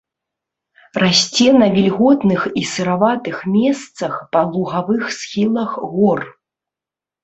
Расце на вільготных і сыраватых месцах, па лугавых схілах гор.